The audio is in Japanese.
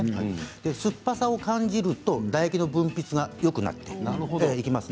酸っぱさを感じると唾液の分泌がよくなるんです。